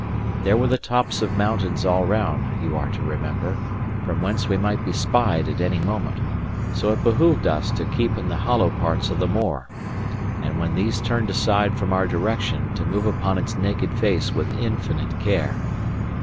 There were the tops of mountains all round (you are to remember) from whence we might be spied at any moment; so it behoved us to keep in the hollow parts of the moor, and when these turned aside from our direction to move upon its naked face with infinite care.